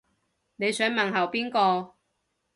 你想問候邊個